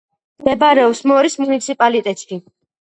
მდებარეობს მორის მუნიციპალიტეტში.